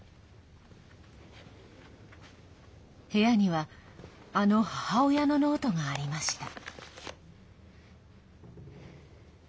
部屋にはあの母親のノートがありました。